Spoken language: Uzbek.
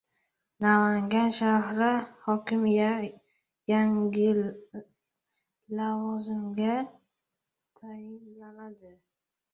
Namangan shahri hokimi yangi lavozimga tayinlanadi